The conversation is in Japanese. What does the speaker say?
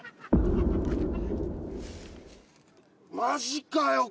マジかよ